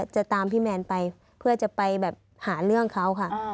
จะตามพี่แมนไปเพื่อจะไปแบบหาเรื่องเขาค่ะ